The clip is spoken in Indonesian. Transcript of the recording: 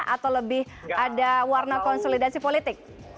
atau lebih ada warna konsolidasi politik